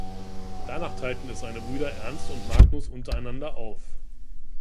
Danach teilten es seine Brüder Ernst und Magnus untereinander auf.